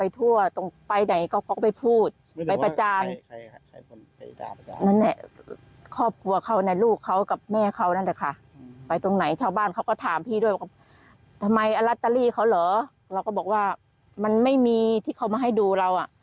ทำไมและลัตเตอรี่เขาเหรอเราก็บอกว่ามันไม่มีที่เขามาให้ดูเราอ่ะ